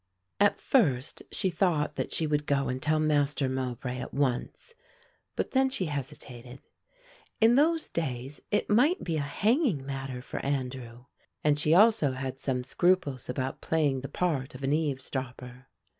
At first she thought that she would go and tell Master Mowbray at once, but then she hesitated. In those days it might be a hanging matter for Andrew and she also had some scruples about playing the part of an eavesdropper.